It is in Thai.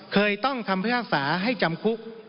เคยต้องทำพยาศาให้จำคุก